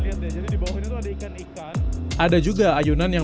jadi di bawah ini ada ikan ikan